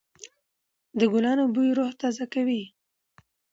د ګلانو بوی روح تازه کوي.